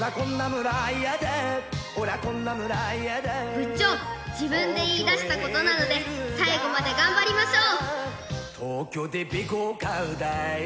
［部長自分で言いだしたことなので最後まで頑張りましょう！］